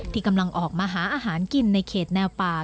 ที่กำลังออกมาหาอาหารกินในเขตแนวป่า